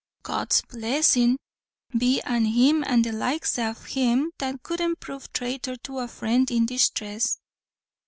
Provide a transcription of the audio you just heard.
"God's blessin' be an him and the likes av him that wouldn't prove thraitor to a friend in disthress."